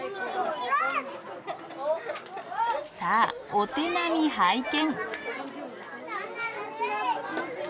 さあお手並み拝見。